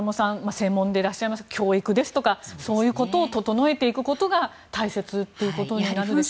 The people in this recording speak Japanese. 専門でいらっしゃいます教育ですとか、そういうことを整えていくことが大切ということになるでしょうか。